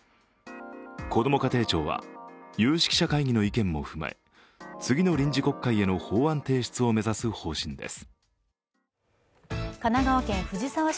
こども家庭庁は有識者会議の意見も踏まえ、次の臨時国会への法案提出を目指す方針です。